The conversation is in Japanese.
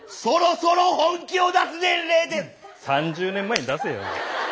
３０年前に出せよ。